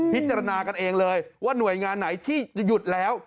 พิจารณากันเองเลยว่าหน่วยงานไหนที่จะหยุดแล้ว